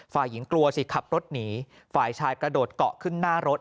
ฝ่ายหญิงกลัวสิขับรถหนีฝ่ายชายกระโดดเกาะขึ้นหน้ารถ